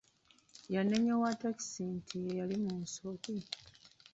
Yanenya owa takisi nti yeyali mu nsobi.